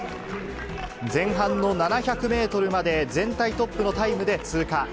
前半の７００メートルまで、全体トップのタイムで通過。